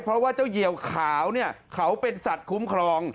เพราะว่าเจ้าเหี่ยวขาวเนี่ยเขาเป็นสัตว์คุ้มครอง